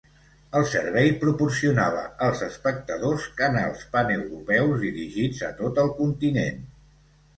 El servei proporcionava als espectadors canals paneuropeus dirigits a tot el continent.